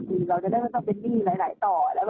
ถึงเราจะได้ต้องเครื่องไว้ไหนต่อ